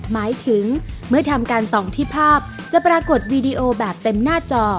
หมายถึงเมื่อทำการส่องที่ภาพจะปรากฏวีดีโอแบบเต็มหน้าจอ